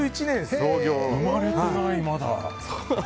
生まれてない、まだ。